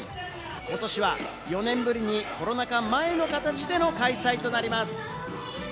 ことしは４年ぶりにコロナ禍前の形での開催となります。